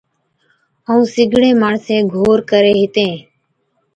ائُون سِگڙي ماڻسين گھور ڪري ھِتين